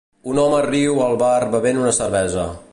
Un home riu al bar bevent una cervesa